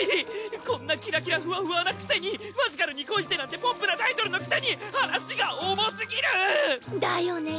こんなキラキラふわふわなくせに「マジカルに恋して」なんてポップなタイトルのくせに話が重すぎる！だよね。